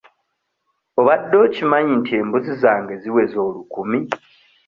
Obadde okimanyi nti embuzi zange ziweze olukumi?